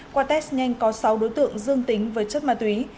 qua test nhanh có sáu đối tượng dương tính với chất ma túy